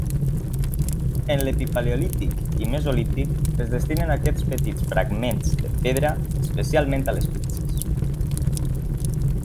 En l'epipaleolític i mesolític, es destinen aquests petits fragments de pedra especialment a les fletxes.